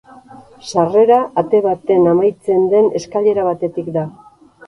Sarrera ate baten amaitzen den eskailera batetik da.